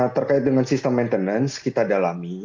terkait dengan sistem maintenance kita dalami